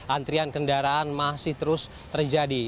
antrian kendaraan masih terus terjadi